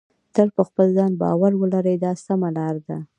تل په خپل ځان باور ولرئ دا سمه لار ده.